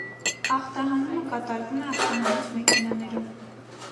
Ախտահանումը կատարվում է ախտահանիչ մեքենաներով։